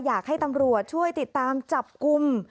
อยากให้ตำรวจช่วยติดตามจับกลุ่ม